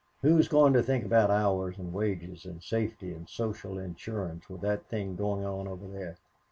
Who's going to think about hours and wages and safety and social insurance with that thing going on over there?